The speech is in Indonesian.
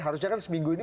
harusnya kan seminggu ini